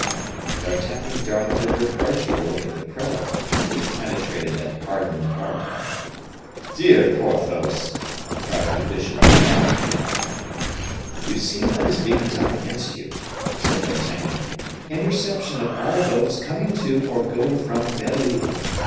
D'Artagnan darted a reproachful look at the prelate, which penetrated that hardened heart. "Dear Porthos!" cried the bishop of Vannes. "You see what is being done against you," said D'Artagnan; "interception of all boats coming to or going from Belle Isle.